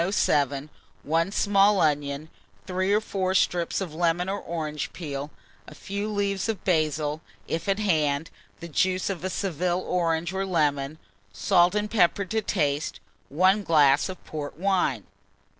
107, 1 small onion, 3 or 4 strips of lemon or orange peel, a few leaves of basil, if at hand, the juice of a Seville orange or lemon, salt and pepper to taste, 1 glass of port wine.